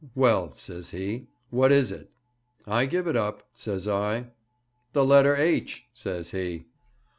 "Well," says he, "what is it?" "I give it up," says I. "The letter H," says he.'